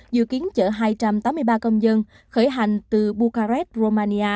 dự kiến chở hai trăm tám mươi năm